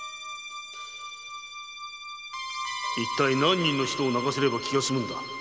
何人の人を泣かせれば気が済むんだ！